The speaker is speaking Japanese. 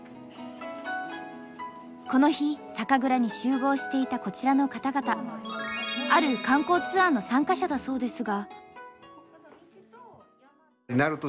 この日酒蔵に集合していたこちらの方々ある観光ツアーの参加者だそうですが。